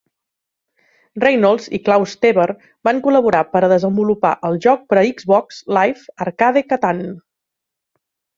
Reynolds i Klaus Teber van col·laborar per a desenvolupar el joc per a Xbox LIVE Arcade "Catan".